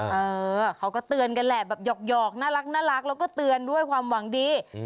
เออเขาก็เตือนกันแหละแบบหยอกน่ารักแล้วก็เตือนด้วยความหวังดี